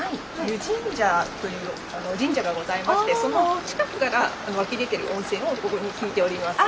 湯神社という神社がございましてその近くから湧き出てる温泉をここに引いております。